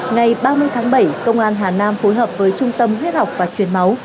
ngày ba mươi tháng bảy công an hà nam phối hợp với trung tâm huyết học và truyền máu